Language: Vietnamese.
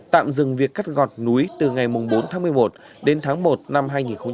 tạm dừng việc cắt gọt núi từ ngày bốn tháng một mươi một đến tháng một năm hai nghìn hai mươi